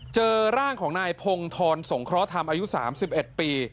เจอร่างของนายพงธรสงเคราะหธรรมอายุ๓๑ปี